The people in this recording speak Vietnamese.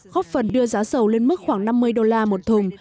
góp phần đưa giá dầu lên mức khoảng năm mươi đô la một thùng